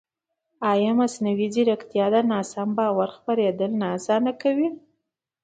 ایا مصنوعي ځیرکتیا د ناسم باور خپرېدل نه اسانه کوي؟